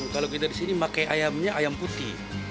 kalau kita disini pakai ayamnya ayam putih